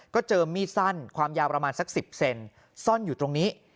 ก็เจอมีดสั้นความยาวประมาณสัก๑๐เซนซ่อนอยู่ตรงนี้